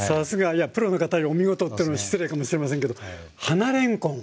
いやプロの方がお見事ってのも失礼かもしれませんけど花れんこん。